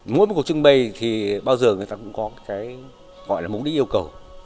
mỗi một cuộc trưng bày thì bao giờ người ta cũng có cái gọi là mục đích yêu cầu